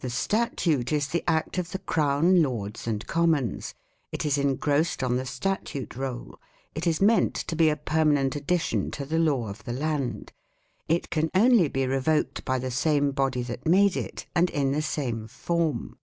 The Statute is the act of the Crown, Lords, and Commons ; it is engrossed on the Statute Roll ; it is meant to be a permanent addition to the law of the land ; it can only be revoked by the same body that made it and in the same form."